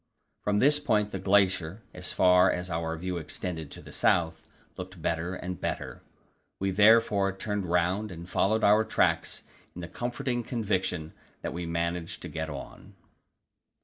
From this point the glacier, as far as our view extended to the south, looked better and better; we therefore turned round and followed our tracks in the comforting conviction that we should manage to get on.